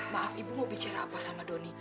maaf ibu mau bicara apa sama doni